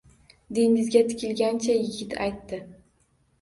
Dengizga tikilgancha yigit aytdi.